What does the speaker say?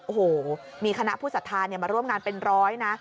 โอ้โหมีคณะผู้สัทธามาร่วมงานเป็นร้อยนะ